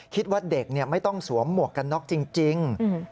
คิดว่าเด็กไม่ต้องสวมหมวกกันน็อกจริง